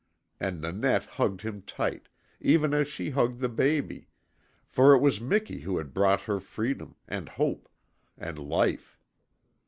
And Nanette hugged him tight, even as she hugged the baby, for it was Miki who had brought her freedom, and hope, and life.